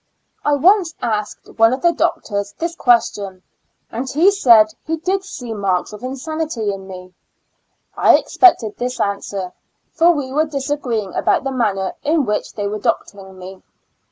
I once asked one of the doctors this question, and he said he did see marks of insanity in me. I expected this answer, for we were disagreeing about the manner in which they were doctoring me.